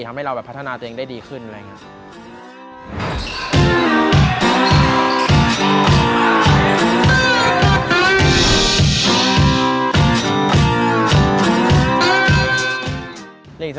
ทำให้เราแบบพัฒนาตัวเองได้ดีขึ้นอะไรอย่างนี้